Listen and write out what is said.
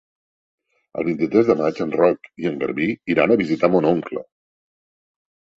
El vint-i-tres de maig en Roc i en Garbí iran a visitar mon oncle.